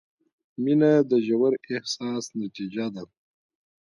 • مینه د ژور احساس نتیجه ده.